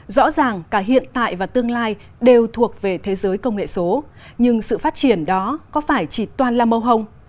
rõ ràng cả hiện tại và tương lai đều thuộc về thế giới công nghệ số nhưng sự phát triển đó có phải chỉ toàn là mâu hồng